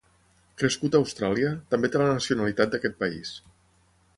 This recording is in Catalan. Crescut a Austràlia, també té la nacionalitat d'aquest país.